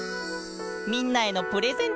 みんなへのプレゼント。